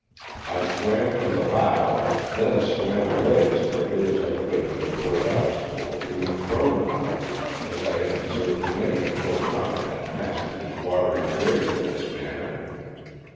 I swam to the bow, then swam away as quickly as I could to avoid obstacles being thrown on me, as I had observed many a poor comrade pass to his watery grave in this manner.